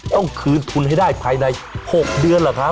ต้องคืนทุนให้ได้ภายใน๖เดือนเหรอครับ